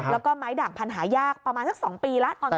แล้วก็ไม้ด่างพันธุ์หายากประมาณสัก๒ปีแล้ว